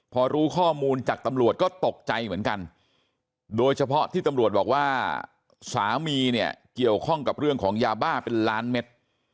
พอรู้ข้อมูลจากตำรวจก็ตกใจเหมือนกันโดยเฉพาะที่ตำรวจบอกว่าสามีเนี่ยเกี่ยวข้องกับเรื่องของยาบ้าเป็นล้านเม็ด